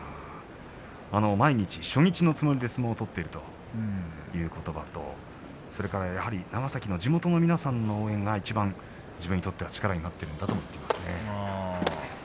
毎日、初日のつもりで相撲を取っているということばとそれから長崎の地元の皆さんの応援がいちばん自分にとっては力になっているんだとも言っていますね。